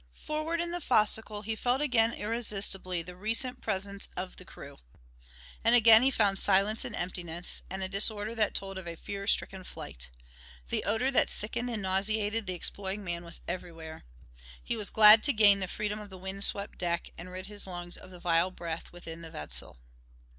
Forward in the fo'c'sle he felt again irresistibly the recent presence of the crew. And again he found silence and emptiness and a disorder that told of a fear stricken flight. The odor that sickened and nauseated the exploring man was everywhere. He was glad to gain the freedom of the wind swept deck and rid his lungs of the vile breath within the vessel.